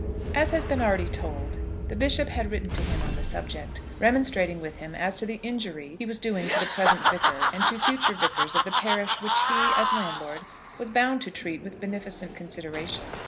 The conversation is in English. As has been already told, the bishop had written to him on the subject, remonstrating with him as to the injury he was doing to the present vicar, and to future vicars, of the parish which he, as landlord, was bound to treat with beneficent consideration.